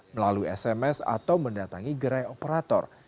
melalui sms atau mendatangi gerai operator